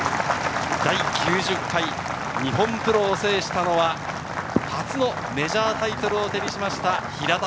第９０回日本プロを制したのは初のメジャータイトルを手にしました平田